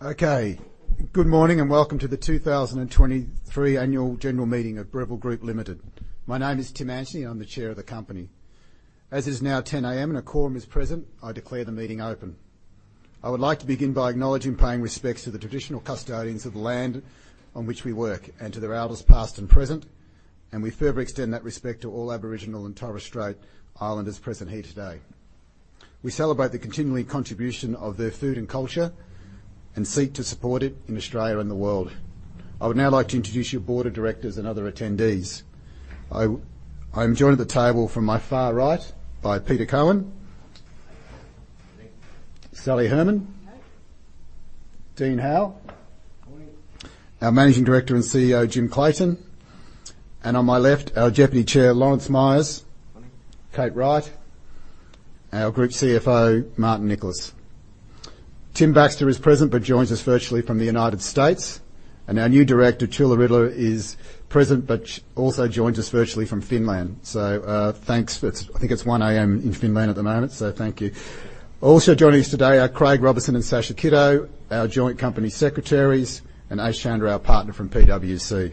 Okay. Good morning, and welcome to the 2023 annual general meeting of Breville Group Limited. My name is Tim Antonie, I'm the chair of the company. As it is now 10:00 A.M. and a quorum is present, I declare the meeting open. I would like to begin by acknowledging and paying respects to the traditional custodians of the land on which we work and to their elders, past and present, and we further extend that respect to all Aboriginal and Torres Strait Islanders present here today. We celebrate the continuing contribution of their food and culture and seek to support it in Australia and the world. I would now like to introduce your board of directors and other attendees. I'm joined at the table from my far right by Peter Cowan. Morning. Sally Herman. Hi. Dean Howell. Morning. Our Managing Director and CEO, Jim Clayton, and on my left, our Deputy Chair, Lawrence Myers. Morning. Kate Wright, and our Group CFO, Martin Nicholas. Tim Baxter is present but joins us virtually from the United States, and our new director, Tuula Rytilä, is present but also joins us virtually from Finland. So, thanks. It's one A.M. in Finland at the moment, so thank you. Also joining us today are Craig Robinson and Sasha Kitto, our joint company secretaries, and Ace Chandra, our partner from PwC.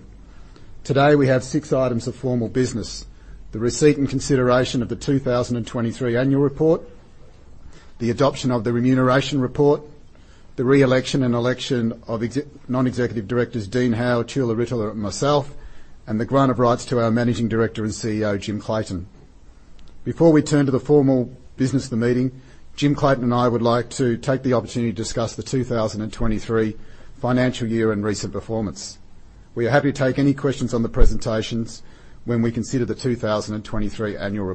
Today, we have 6 items of formal business: the receipt and consideration of the 2023 annual report, the adoption of the remuneration report, the re-election and election of non-executive directors Dean Howell, Tuula Rytilä, and myself, and the grant of rights to our Managing Director and CEO, Jim Clayton. Before we turn to the formal business of the meeting, Jim Clayton and I would like to take the opportunity to discuss the 2023 financial year and recent performance. We are happy to take any questions on the presentations when we consider the 2023 annual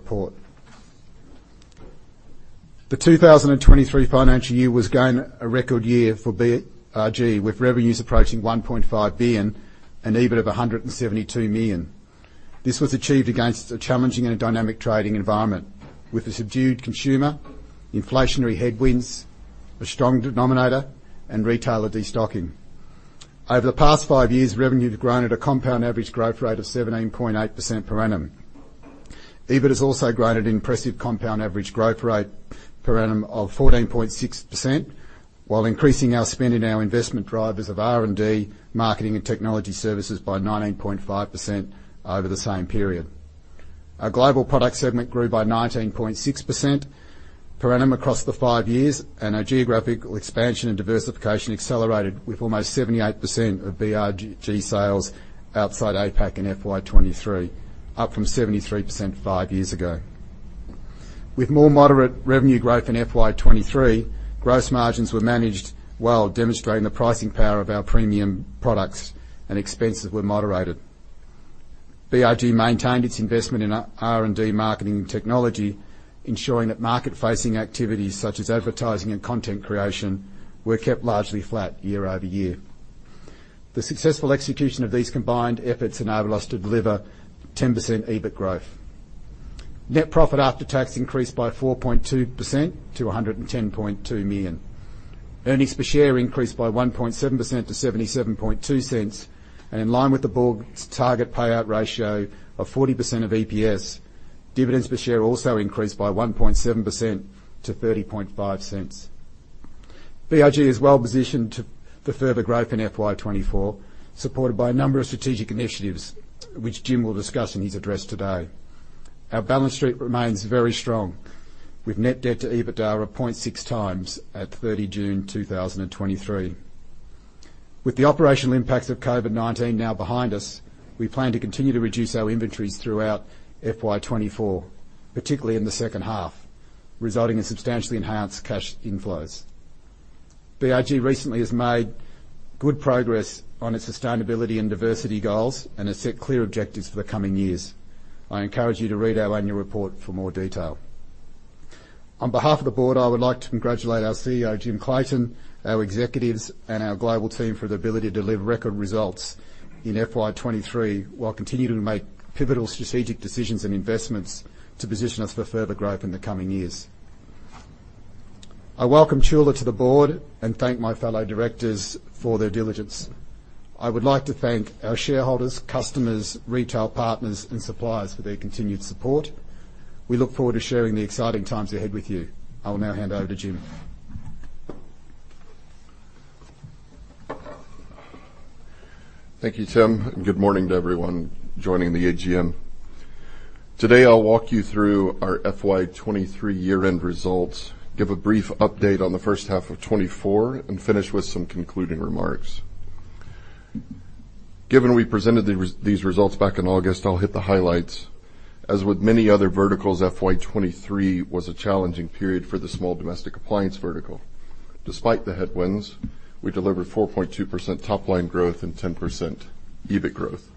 report. The 2023 financial year was again a record year for BRG, with revenues approaching 1.5 billion and EBIT of 172 million. This was achieved against a challenging and a dynamic trading environment, with a subdued consumer, inflationary headwinds, a strong denominator, and retailer destocking. Over the past five years, revenue has grown at a compound average growth rate of 17.8% per annum. EBIT has also grown at an impressive compound average growth rate per annum of 14.6%, while increasing our spend in our investment drivers of R&D, marketing, and technology services by 19.5% over the same period. Our global product segment grew by 19.6% per annum across the five years, and our geographical expansion and diversification accelerated, with almost 78% of BRG sales outside APAC in FY 2023, up from 73% five years ago. With more moderate revenue growth in FY 2023, gross margins were managed well, demonstrating the pricing power of our premium products, and expenses were moderated. BRG maintained its investment in R&D, marketing, and technology, ensuring that market-facing activities such as advertising and content creation were kept largely flat year over year. The successful execution of these combined efforts enabled us to deliver 10% EBIT growth. Net profit after tax increased by 4.2% to 110.2 million. Earnings per share increased by 1.7% to 0.772, and in line with the board's target payout ratio of 40% of EPS, dividends per share also increased by 1.7% to 0.305. BRG is well positioned to the further growth in FY 2024, supported by a number of strategic initiatives, which Jim will discuss in his address today. Our balance sheet remains very strong, with net debt to EBITDA of 0.6 times at 30 June 2023. With the operational impacts of COVID-19 now behind us, we plan to continue to reduce our inventories throughout FY 2024, particularly in the second half, resulting in substantially enhanced cash inflows. BRG recently has made good progress on its sustainability and diversity goals and has set clear objectives for the coming years. I encourage you to read our annual report for more detail. On behalf of the board, I would like to congratulate our CEO, Jim Clayton, our executives, and our global team for their ability to deliver record results in FY 2023, while continuing to make pivotal strategic decisions and investments to position us for further growth in the coming years. I welcome Tuula to the board and thank my fellow directors for their diligence. I would like to thank our shareholders, customers, retail partners, and suppliers for their continued support. We look forward to sharing the exciting times ahead with you. I will now hand over to Jim. Thank you, Tim, and good morning to everyone joining the AGM. Today, I'll walk you through our FY 2023 year-end results, give a brief update on the first half of 2024, and finish with some concluding remarks. Given we presented these results back in August, I'll hit the highlights. As with many other verticals, FY 2023 was a challenging period for the small domestic appliance vertical. Despite the headwinds, we delivered 4.2% top-line growth and 10% EBIT growth.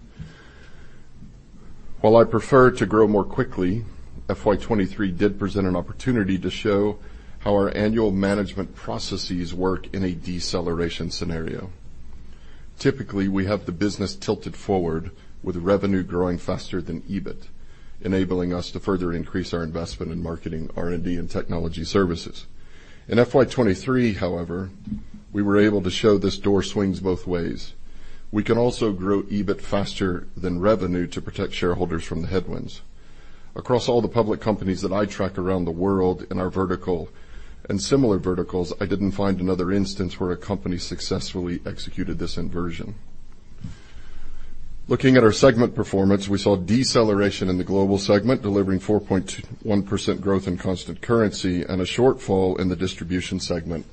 While I'd prefer to grow more quickly, FY 2023 did present an opportunity to show how our annual management processes work in a deceleration scenario. Typically, we have the business tilted forward, with revenue growing faster than EBIT, enabling us to further increase our investment in marketing, R&D, and technology services. In FY 2023, however, we were able to show this door swings both ways. We can also grow EBIT faster than revenue to protect shareholders from the headwinds. Across all the public companies that I track around the world in our vertical and similar verticals, I didn't find another instance where a company successfully executed this inversion. Looking at our segment performance, we saw deceleration in the global segment, delivering 4.1% growth in constant currency, and a shortfall in the distribution segment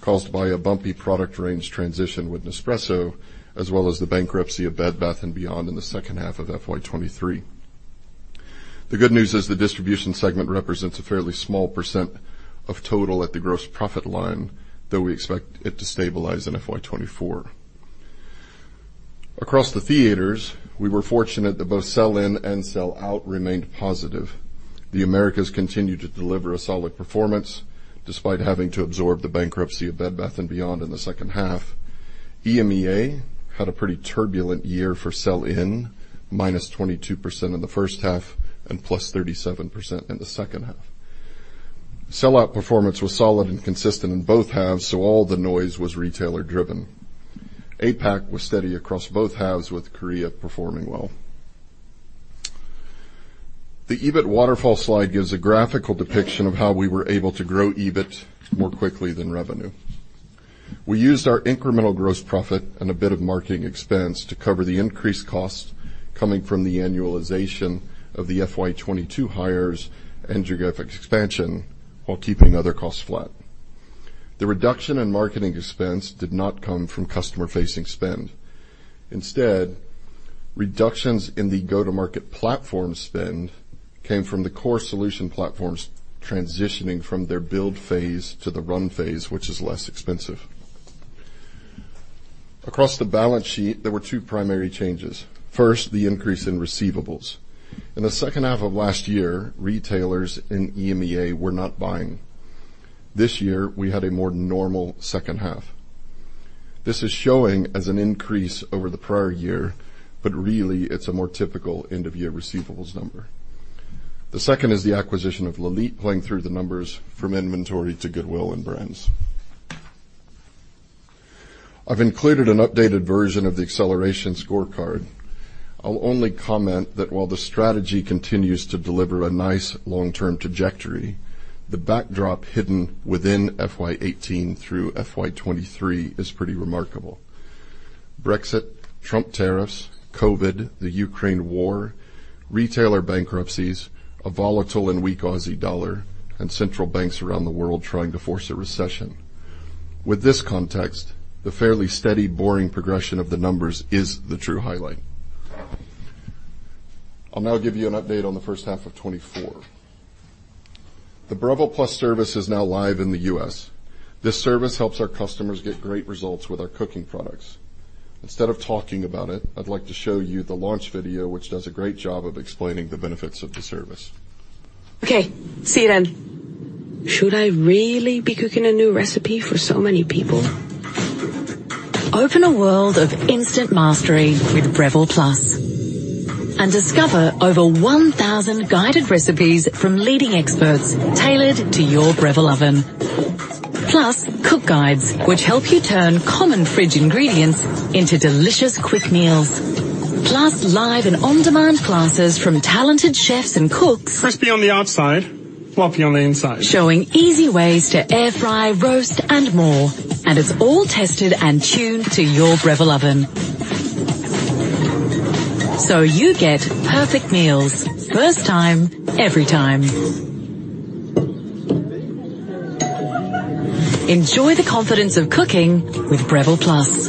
caused by a bumpy product range transition with Nespresso, as well as the bankruptcy of Bed Bath & Beyond in the second half of FY 2023. The good news is the distribution segment represents a fairly small percent of total at the gross profit line, though we expect it to stabilize in FY 2024. Across the theaters, we were fortunate that both sell-in and sell-out remained positive. The Americas continued to deliver a solid performance, despite having to absorb the bankruptcy of Bed Bath & Beyond in the second half. EMEA had a pretty turbulent year for sell-in, -22% in the first half and +37% in the second half. Sell-out performance was solid and consistent in both halves, so all the noise was retailer driven. APAC was steady across both halves, with Korea performing well. The EBIT waterfall slide gives a graphical depiction of how we were able to grow EBIT more quickly than revenue. We used our incremental gross profit and a bit of marketing expense to cover the increased cost coming from the annualization of the FY 2022 hires and geographic expansion, while keeping other costs flat. The reduction in marketing expense did not come from customer-facing spend. Instead, reductions in the go-to-market platform spend came from the core solution platforms transitioning from their build phase to the run phase, which is less expensive. Across the balance sheet, there were two primary changes. First, the increase in receivables. In the second half of last year, retailers in EMEA were not buying. This year, we had a more normal second half. This is showing as an increase over the prior year, but really, it's a more typical end-of-year receivables number. The second is the acquisition of Lelit, playing through the numbers from inventory to goodwill and brands. I've included an updated version of the acceleration scorecard. I'll only comment that while the strategy continues to deliver a nice long-term trajectory, the backdrop hidden within FY 2018 through FY 2023 is pretty remarkable. Brexit, Trump tariffs, COVID, the Ukraine war, retailer bankruptcies, a volatile and weak Aussie dollar, and central banks around the world trying to force a recession. With this context, the fairly steady, boring progression of the numbers is the true highlight. I'll now give you an update on the first half of 2024. The Breville Plus service is now live in the US. This service helps our customers get great results with our cooking products. Instead of talking about it, I'd like to show you the launch video, which does a great job of explaining the benefits of the service. Okay, see you then. Should I really be cooking a new recipe for so many people? Open a world of instant mastery with Breville Plus, and discover over 1,000 guided recipes from leading experts, tailored to your Breville oven. Plus, cook guides, which help you turn common fridge ingredients into delicious, quick meals. Plus, live and on-demand classes from talented chefs and cooks- Crispy on the outside, fluffy on the inside. -showing easy ways to air fry, roast, and more. And it's all tested and tuned to your Breville oven. So you get perfect meals, first time, every time. Enjoy the confidence of cooking with Breville Plus.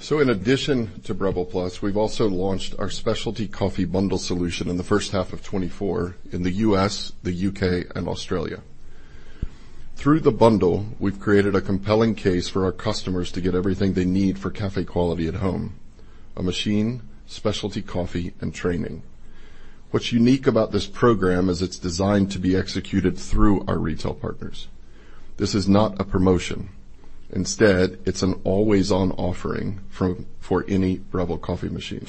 So in addition to Breville Plus, we've also launched our Specialty Coffee Bundle solution in the first half of 2024 in the US, the UK, and Australia. Through the bundle, we've created a compelling case for our customers to get everything they need for cafe quality at home: a machine, specialty coffee, and training. What's unique about this program is it's designed to be executed through our retail partners. This is not a promotion. Instead, it's an always-on offering for any Breville coffee machine.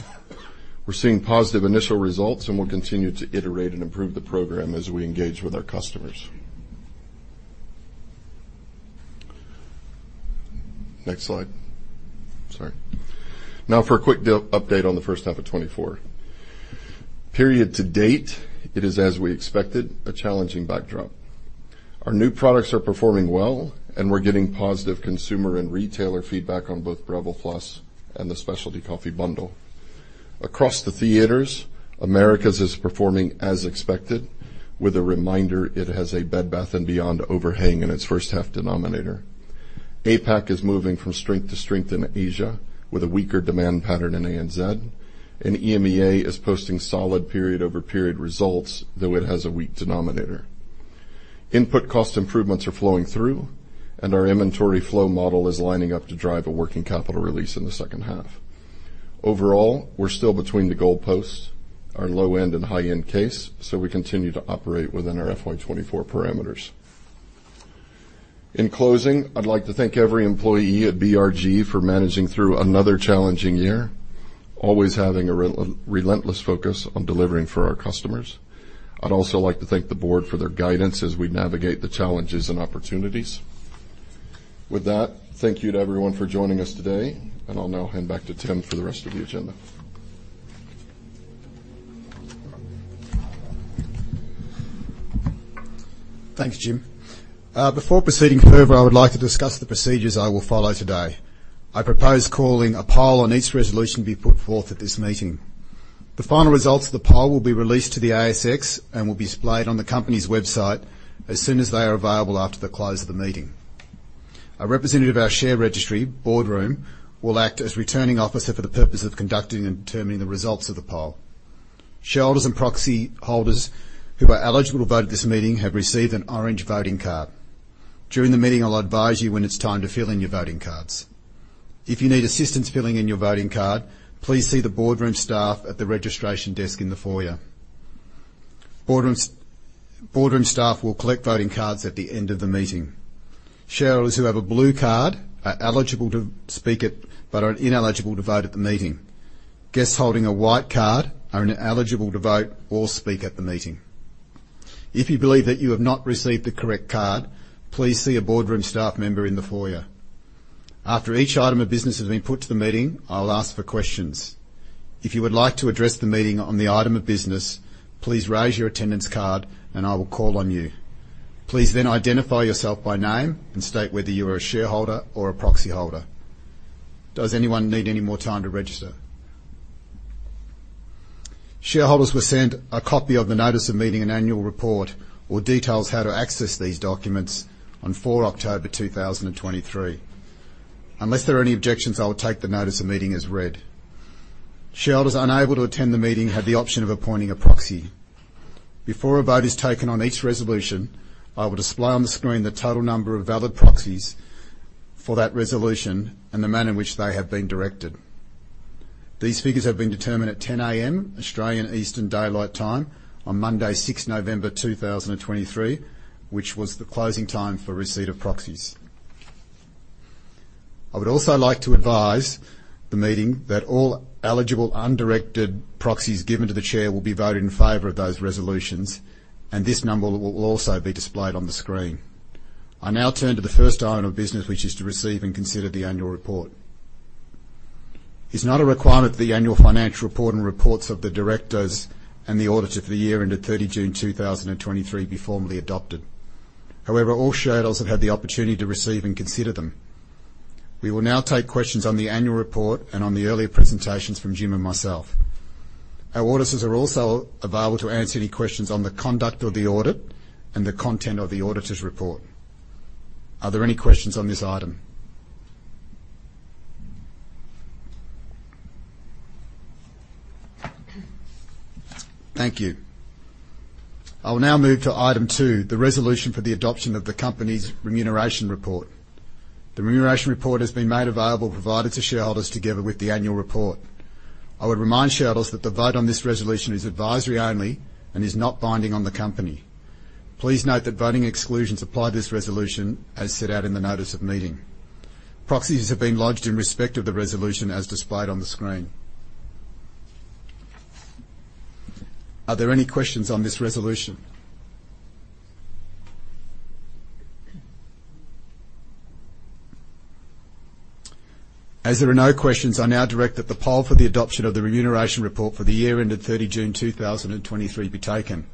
We're seeing positive initial results, and we'll continue to iterate and improve the program as we engage with our customers. Next slide. Sorry. Now for a quick update on the first half of 2024. Period to date, it is, as we expected, a challenging backdrop. Our new products are performing well, and we're getting positive consumer and retailer feedback on both Breville Plus and the Specialty Coffee Bundle. Across the theaters, Americas is performing as expected, with a reminder it has a Bed Bath & Beyond overhang in its first-half denominator. APAC is moving from strength to strength in Asia, with a weaker demand pattern in ANZ, and EMEA is posting solid period-over-period results, though it has a weak denominator. Input cost improvements are flowing through, and our inventory flow model is lining up to drive a working capital release in the second half. Overall, we're still between the goalposts, our low-end and high-end case, so we continue to operate within our FY 2024 parameters. In closing, I'd like to thank every employee at BRG for managing through another challenging year, always having a relentless focus on delivering for our customers. I'd also like to thank the board for their guidance as we navigate the challenges and opportunities. With that, thank you to everyone for joining us today, and I'll now hand back to Tim for the rest of the agenda. Thank you, Jim. Before proceeding further, I would like to discuss the procedures I will follow today. I propose calling a poll on each resolution be put forth at this meeting. The final results of the poll will be released to the ASX and will be displayed on the company's website as soon as they are available after the close of the meeting. A representative of our share registry, Boardroom, will act as Returning Officer for the purpose of conducting and determining the results of the poll. Shareholders and proxy holders who are eligible to vote at this meeting have received an orange voting card. During the meeting, I'll advise you when it's time to fill in your voting cards. If you need assistance filling in your voting card, please see the Boardroom staff at the registration desk in the foyer. Boardroom staff will collect voting cards at the end of the meeting. Shareholders who have a blue card are eligible to speak at the meeting, but are ineligible to vote at the meeting. Guests holding a white card are ineligible to vote or speak at the meeting. If you believe that you have not received the correct card, please see a Boardroom staff member in the foyer. After each item of business has been put to the meeting, I will ask for questions. If you would like to address the meeting on the item of business, please raise your attendance card and I will call on you. Please then identify yourself by name and state whether you are a shareholder or a proxy holder. Does anyone need any more time to register? Shareholders were sent a copy of the notice of meeting and annual report, or details how to access these documents on 4 October 2023. Unless there are any objections, I will take the notice of meeting as read. Shareholders unable to attend the meeting had the option of appointing a proxy. Before a vote is taken on each resolution, I will display on the screen the total number of valid proxies for that resolution and the manner in which they have been directed. These figures have been determined at 10:00 A.M., Australian Eastern Daylight Time, on Monday, 6th November 2023, which was the closing time for receipt of proxies. I would also like to advise the meeting that all eligible undirected proxies given to the Chair will be voted in favor of those resolutions, and this number will also be displayed on the screen. I now turn to the first item of business, which is to receive and consider the annual report. It's not a requirement that the annual financial report and reports of the directors and the auditor for the year ended 30 June 2023 be formally adopted. However, all shareholders have had the opportunity to receive and consider them. We will now take questions on the annual report and on the earlier presentations from Jim and myself. Our auditors are also available to answer any questions on the conduct of the audit and the content of the auditor's report. Are there any questions on this item? Thank you. I will now move to item two, the resolution for the adoption of the company's remuneration report. The remuneration report has been made available, provided to shareholders together with the annual report. I would remind shareholders that the vote on this resolution is advisory only and is not binding on the company. Please note that voting exclusions apply to this resolution as set out in the notice of meeting. Proxies have been lodged in respect of the resolution as displayed on the screen. Are there any questions on this resolution? As there are no questions, I now direct that the poll for the adoption of the remuneration report for the year ended 30 June 2023 be taken.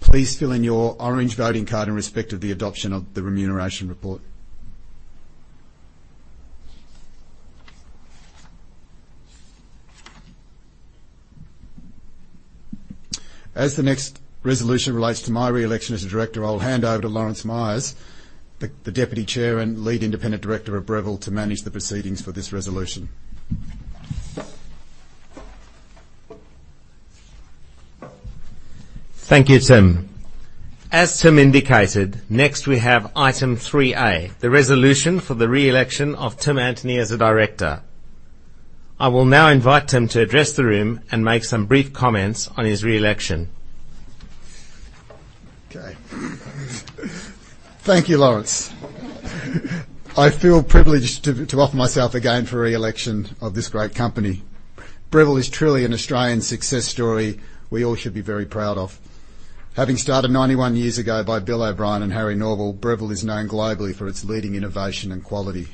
Please fill in your orange voting card in respect of the adoption of the remuneration report. As the next resolution relates to my re-election as a director, I'll hand over to Lawrence Myers, the Deputy Chair and Lead Independent Director of Breville, to manage the proceedings for this resolution. Thank you, Tim. As Tim indicated, next we have item 3A, the resolution for the re-election of Tim Antonie as a director. I will now invite Tim to address the room and make some brief comments on his re-election. Okay. Thank you, Lawrence. I feel privileged to offer myself again for re-election of this great company. Breville is truly an Australian success story we all should be very proud of. Having started 91 years ago by Bill O'Brien and Harry Norville, Breville is known globally for its leading innovation and quality.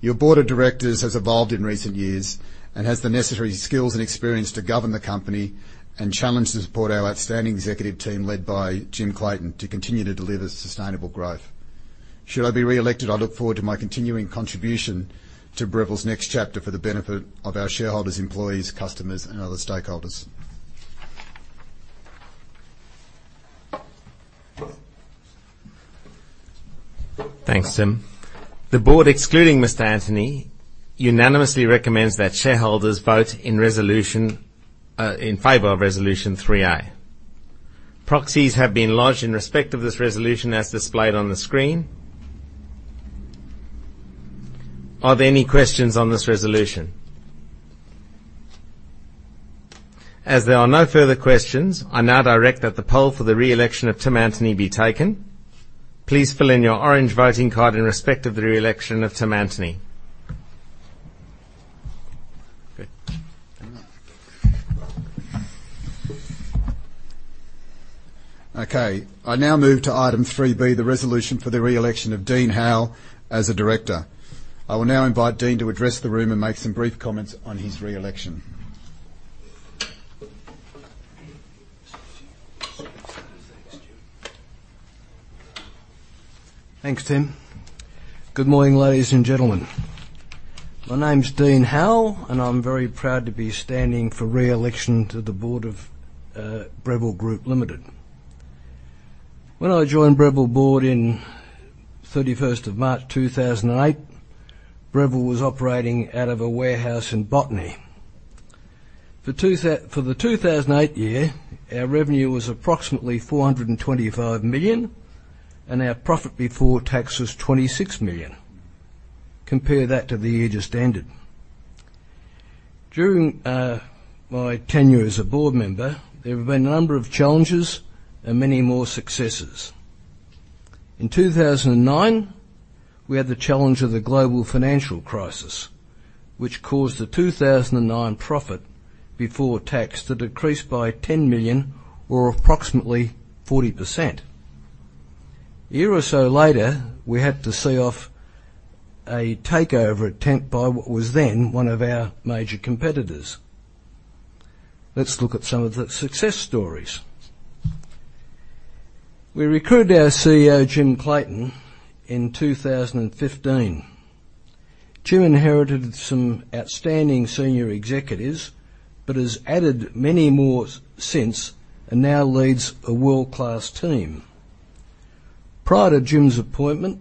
Your board of directors has evolved in recent years and has the necessary skills and experience to govern the company and challenge to support our outstanding executive team, led by Jim Clayton, to continue to deliver sustainable growth. Should I be re-elected, I look forward to my continuing contribution to Breville's next chapter for the benefit of our shareholders, employees, customers, and other stakeholders. Thanks, Tim. The board, excluding Mr. Antonie, unanimously recommends that shareholders vote in resolution in favor of resolution 3A. Proxies have been lodged in respect of this resolution, as displayed on the screen. Are there any questions on this resolution? As there are no further questions, I now direct that the poll for the re-election of Tim Antonie be taken. Please fill in your orange voting card in respect of the re-election of Tim Antonie. Good.... Okay, I now move to item 3B, the resolution for the re-election of Dean Howell as a director. I will now invite Dean to address the room and make some brief comments on his re-election. Thanks, Tim. Good morning, ladies and gentlemen. My name's Dean Howell, and I'm very proud to be standing for re-election to the Board of Breville Group Limited. When I joined Breville Board on 31 March 2008, Breville was operating out of a warehouse in Botany. For the 2008 year, our revenue was approximately 425 million, and our profit before tax was 26 million. Compare that to the year just ended. During my tenure as a board member, there have been a number of challenges and many more successes. In 2009, we had the challenge of the global financial crisis, which caused the 2009 profit before tax to decrease by 10 million or approximately 40%. A year or so later, we had to see off a takeover attempt by what was then one of our major competitors. Let's look at some of the success stories. We recruited our CEO, Jim Clayton, in 2015. Jim inherited some outstanding senior executives but has added many more since and now leads a world-class team. Prior to Jim's appointment,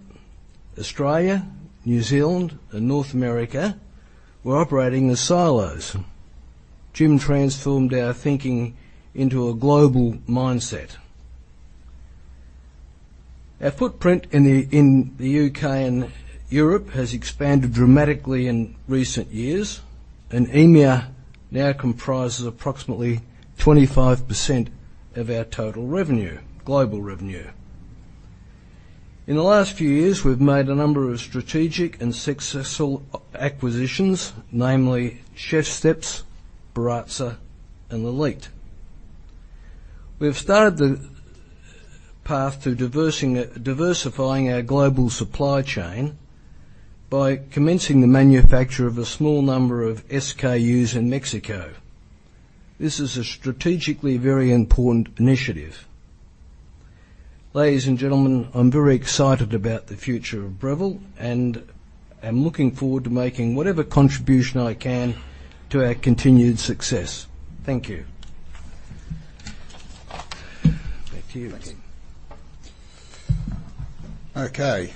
Australia, New Zealand, and North America were operating as silos. Jim transformed our thinking into a global mindset. Our footprint in the U.K. and Europe has expanded dramatically in recent years, and EMEA now comprises approximately 25% of our total revenue, global revenue. In the last few years, we've made a number of strategic and successful acquisitions, namely ChefSteps, Baratza, and Lelit. We've started the path to diversifying our global supply chain by commencing the manufacture of a small number of SKUs in Mexico. This is a strategically very important initiative. Ladies and gentlemen, I'm very excited about the future of Breville, and I'm looking forward to making whatever contribution I can to our continued success. Thank you. Thank you. Thank you. Okay,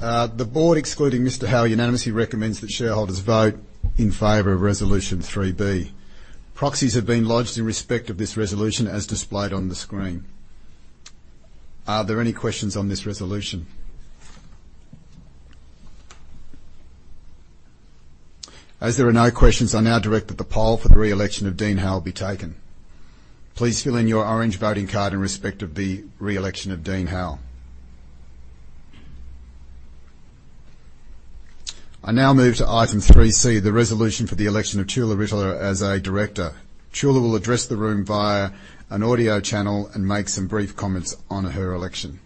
the board, excluding Mr. Howell, unanimously recommends that shareholders vote in favor of Resolution 3B. Proxies have been lodged in respect of this resolution as displayed on the screen. Are there any questions on this resolution? As there are no questions, I now direct that the poll for the re-election of Dean Howell be taken. Please fill in your orange voting card in respect of the re-election of Dean Howell. I now move to item 3C, the resolution for the election of Tuula Rytilä as a director. Tuula will address the room via an audio channel and make some brief comments on her election.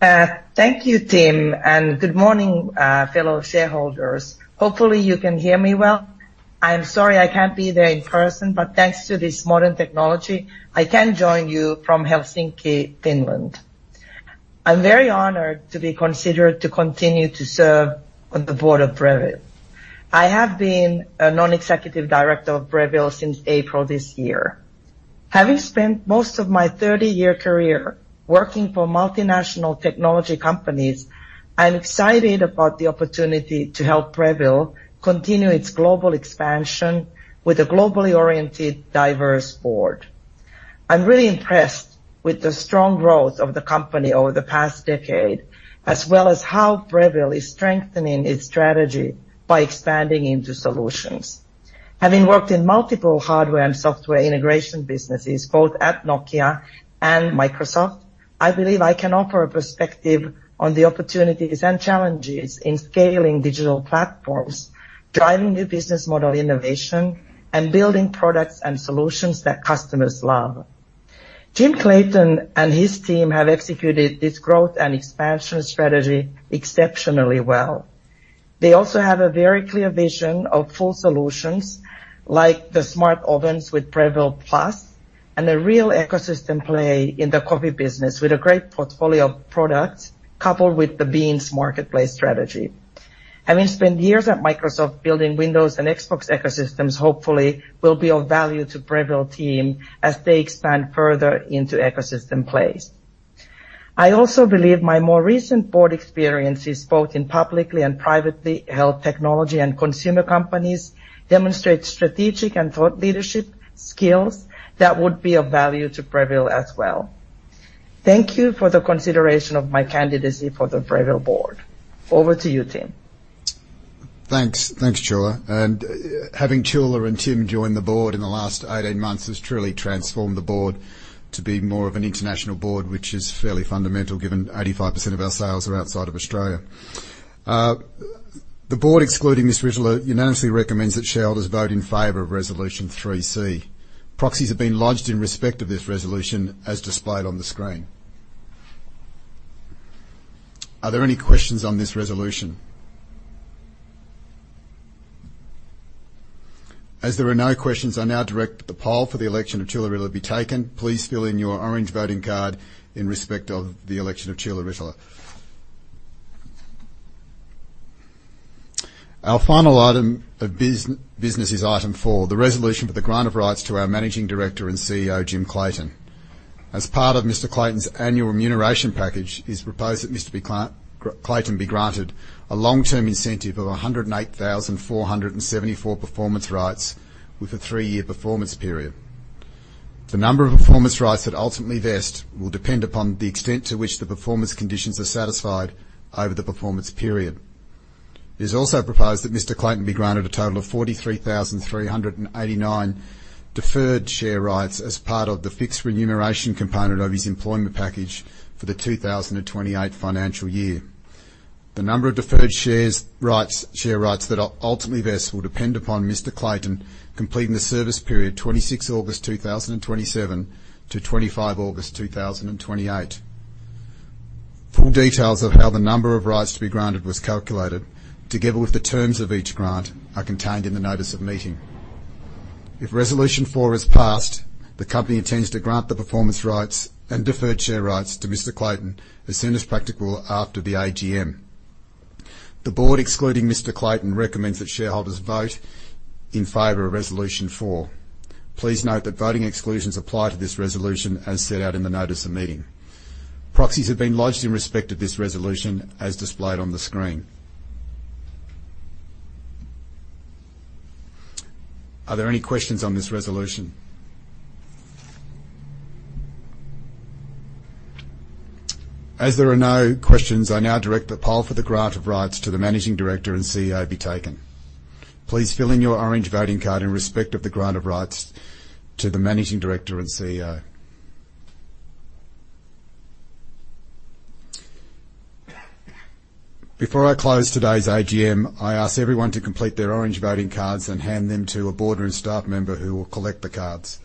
Thank you, Tim, and good morning, fellow shareholders. Hopefully, you can hear me well. I'm sorry I can't be there in person, but thanks to this modern technology, I can join you from Helsinki, Finland. I'm very honored to be considered to continue to serve on the board of Breville. I have been a non-executive director of Breville since April this year. Having spent most of my 30-year career working for multinational technology companies, I'm excited about the opportunity to help Breville continue its global expansion with a globally oriented, diverse board. I'm really impressed with the strong growth of the company over the past decade, as well as how Breville is strengthening its strategy by expanding into solutions. Having worked in multiple hardware and software integration businesses, both at Nokia and Microsoft, I believe I can offer a perspective on the opportunities and challenges in scaling digital platforms, driving new business model innovation, and building products and solutions that customers love. Jim Clayton and his team have executed this growth and expansion strategy exceptionally well. They also have a very clear vision of full solutions, like the smart ovens with Breville Plus, and a real ecosystem play in the coffee business with a great portfolio of products, coupled with the Beanz Marketplace strategy. Having spent years at Microsoft building Windows and Xbox ecosystems, hopefully will be of value to Breville team as they expand further into ecosystem plays. I also believe my more recent board experiences, both in publicly and privately held technology and consumer companies, demonstrate strategic and thought leadership skills that would be of value to Breville as well. Thank you for the consideration of my candidacy for the Breville board. Over to you, Tim. Thanks. Thanks, Tuula. And, having Tuula and Jim join the board in the last 18 months has truly transformed the board to be more of an international board, which is fairly fundamental, given 85% of our sales are outside of Australia. The board, excluding Ms. Rytilä, unanimously recommends that shareholders vote in favor of Resolution 3 C. Proxies have been lodged in respect to this resolution as displayed on the screen. Are there any questions on this resolution? As there are no questions, I now direct that the poll for the election of Tuula Rytilä be taken. Please fill in your orange voting card in respect of the election of Tuula Rytilä. Our final item of business is Item 4, the resolution for the grant of rights to our Managing Director and CEO, Jim Clayton. As part of Mr. Clayton's annual remuneration package, it's proposed that Mr. Clayton be granted a long-term incentive of 108,474 performance rights with a three-year performance period. The number of performance rights that ultimately vest will depend upon the extent to which the performance conditions are satisfied over the performance period. It is also proposed that Mr. Clayton be granted a total of 43,389 deferred share rights as part of the fixed remuneration component of his employment package for the 2028 financial year. The number of deferred share rights that ultimately vest will depend upon Mr. Clayton completing the service period 26 August 2027 to 25 August 2028. Full details of how the number of rights to be granted was calculated, together with the terms of each grant, are contained in the notice of meeting. If Resolution Four is passed, the company intends to grant the performance rights and deferred share rights to Mr. Clayton as soon as practical after the AGM. The board, excluding Mr. Clayton, recommends that shareholders vote in favor of Resolution Four. Please note that voting exclusions apply to this resolution as set out in the notice of meeting. Proxies have been lodged in respect to this resolution, as displayed on the screen. Are there any questions on this resolution? As there are no questions, I now direct that the poll for the grant of rights to the Managing Director and CEO be taken. Please fill in your orange voting card in respect of the grant of rights to the Managing Director and CEO. Before I close today's AGM, I ask everyone to complete their orange voting cards and hand them to a board or a staff member who will collect the cards.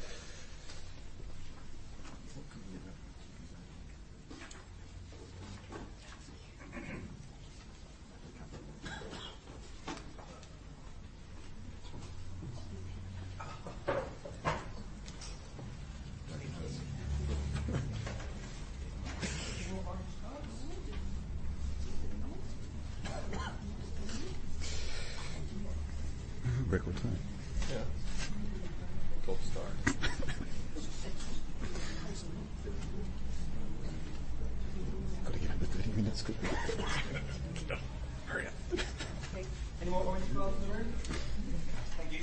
Record time. Yeah. Gold star. Gotta get up in 30 minutes. Hurry up. Any more orange cards in the room? Thank you.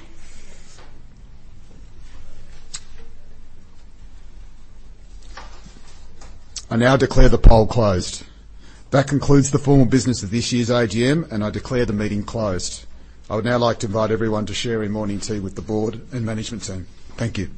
I now declare the poll closed. That concludes the formal business of this year's AGM, and I declare the meeting closed. I would now like to invite everyone to share in morning tea with the board and management team. Thank you.